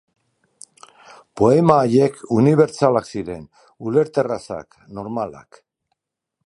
Poema haiek unibertsalak ziren, ulerterrazak, normalak.